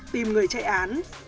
tìm người chạy án